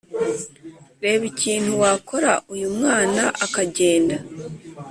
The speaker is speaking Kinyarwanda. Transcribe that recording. Reba ikintu wakora uyu mwana akagenda